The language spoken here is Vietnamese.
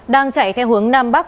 đang chạy theo hướng nam bắc